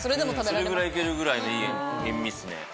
それぐらい行けるぐらいのいい塩味っすね。